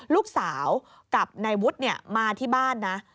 ลูกสาวกับนายวุฒิมาที่บ้านนะ